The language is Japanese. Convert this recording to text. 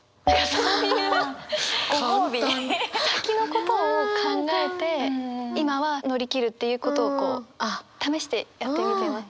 そういうご褒美先のことを考えて今は乗り切るっていうことを試してやってみては。